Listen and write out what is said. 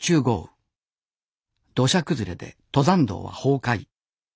土砂崩れで登山道は崩壊。